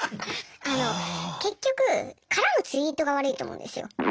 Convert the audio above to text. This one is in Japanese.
あの結局絡むツイートが悪いと思うんですよ。